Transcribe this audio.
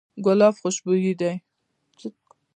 ګلاب خوشبوی دی.